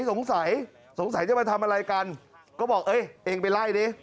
สงสัยสงสัยจะมาทำอะไรกันก็บอกเอ้ยเองไปไล่ดิ